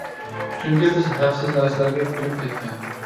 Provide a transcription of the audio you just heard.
چۈنكى بىز ھەقسىز نەرسىلەرگە كۆنۈپ كەتكەن.